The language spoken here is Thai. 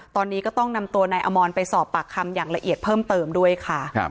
ตอนนี้ก็ต้องนำตัวนายอมรไปสอบปากคำอย่างละเอียดเพิ่มเติมด้วยค่ะ